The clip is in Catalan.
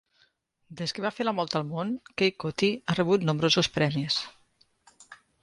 Des que va fer la volta al món, Kay Cottee ha rebut nombrosos premis.